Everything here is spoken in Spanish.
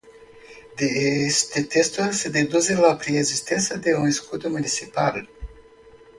De este texto se deduce la preexistencia de un escudo Municipal.